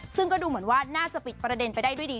ซึ่งก็ดูเหมือนว่าน่าจะปิดประเด็นไปได้ด้วยดี